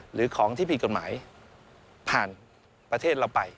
หรือของที่ผิดกฎหมายผ่านประเทศเราไป